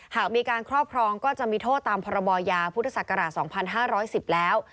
หากมีการครอบครองก็จะมีโทษตามพรบยาพุทธศักราช๒๕๑๐แล้ว